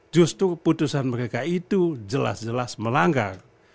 justru putusan mereka itu jelas jelas melanggar